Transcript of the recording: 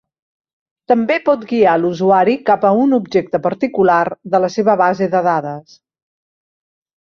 També pot guiar l'usuari cap a un objecte particular de la seva base de dades.